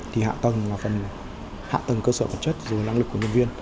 thì hạ tầng là phần hạ tầng cơ sở vật chất rồi năng lực của nhân viên